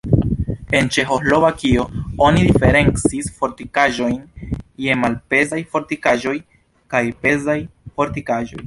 En Ĉeĥoslovakio oni diferencis fortikaĵojn je malpezaj fortikaĵoj kaj pezaj fortikaĵoj.